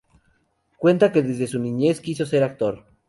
Cuenta que desde su niñez quiso ser actor.